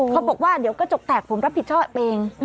เขาบอกว่าเดี๋ยวกระจกแตกผมรับผิดชอบเอง